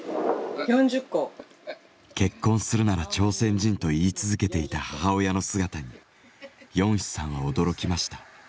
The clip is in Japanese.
結婚するなら朝鮮人と言い続けていた母親の姿にヨンヒさんは驚きました。